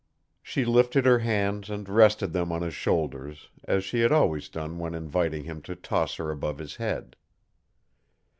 She lifted her hands and rested them on his shoulders, as she had always done when inviting him to toss her above his head.